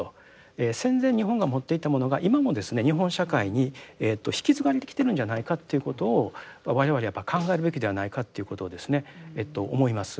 戦前日本が持っていたものが今もですね日本社会に引き継がれてきているんじゃないかっていうことを我々はやっぱり考えるべきではないかっていうことをですね思います。